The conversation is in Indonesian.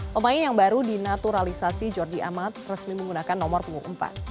pemain yang baru dinaturalisasi jordi amat resmi menggunakan nomor punggung empat